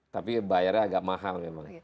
tapi bayarnya agak mahal memang